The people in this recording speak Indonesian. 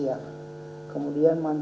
yang diperiksa di jawa bali